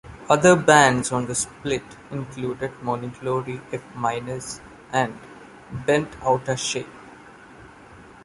Other bands on the split included Morning Glory, F-Minus, and Bent Outta Shape.